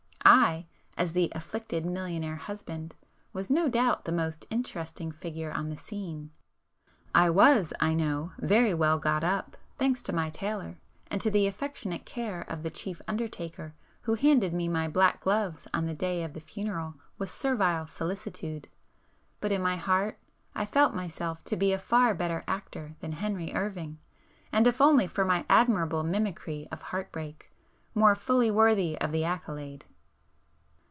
I, as the afflicted millionaire husband, was no doubt the most interesting figure on the scene; I was, I know very well got up, thanks to my tailor, and to the affectionate care of the chief undertaker who handed me my black gloves on the day of the funeral with servile solicitude, but in my heart I felt myself to be a far better actor than Henry Irving, and if only for my admirable mimicry of heart break, more fully worthy of the accolade.